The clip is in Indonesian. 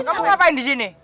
kamu ngapain di sini